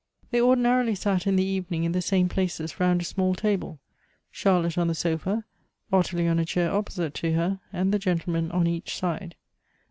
They ordinarily sat in the evening in the same places round a small table — Charlotte on the sofa, Ottilie on a chair opposite to her, and the gentlemen on each side.